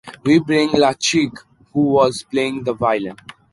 We bring La Chique, who was playing the violin.